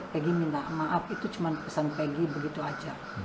pagi minta maaf itu cuma pesan pagi begitu saja